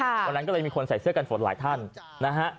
วันนั้นก็เลยมีคนใส่เสื้อกันฝนหลายท่านนะฮะ